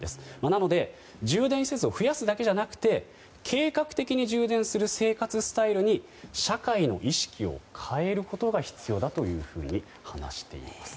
なので充電施設を増やすだけじゃなくて計画的に充電する生活スタイルに社会の意識を変えることが必要だというふうに話しています。